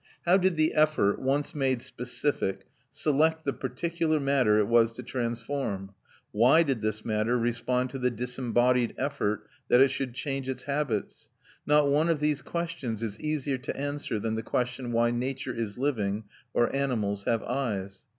How did the effort, once made specific, select the particular matter it was to transform? Why did this matter respond to the disembodied effort that it should change its habits? Not one of these questions is easier to answer than the question why nature is living or animals have eyes.